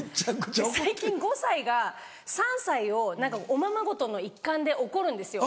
最近５歳が３歳をおままごとの一環で怒るんですよ。